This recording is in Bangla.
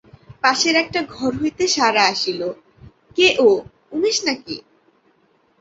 পাশের একটা ঘর হইতে সাড়া আসিল, কে ও, উমেশ না কি!